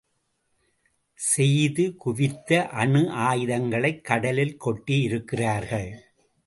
செய்து குவித்த அணு ஆயுதங்களைக் கடலில் கொட்டியிருக்கிறார்கள்.